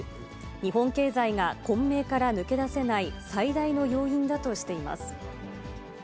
日本経済が混迷から抜け出せない最大の要因だとしています。